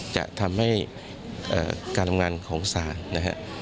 จะทำให้การทำงานของศาลนะฮะ